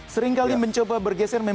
seringkali mencoba bergeser